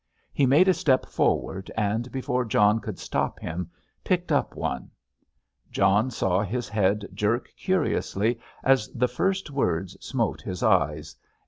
He made a step forward and, before John could stop him, picked up one. John saw his head jerk curiously as the first words smote his eyes.